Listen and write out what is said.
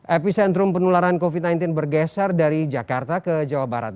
epicentrum penularan covid sembilan belas bergeser dari jakarta ke jawa barat